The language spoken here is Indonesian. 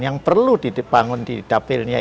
yang perlu dibangun di dapilnya